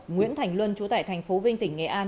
nguyễn thành luân trú tại thành phố vinh tỉnh nghệ an